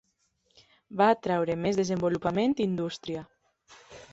Va atraure més desenvolupament i indústria.